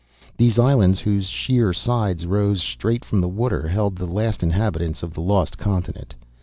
These islands, whose sheer, sides rose straight from the water, held the last inhabitants of the lost continent.